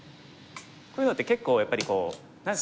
こういうのって結構やっぱり何ですかね。